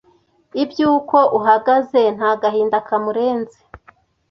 Ibyo uko uhagaze nta gahinda kamurenze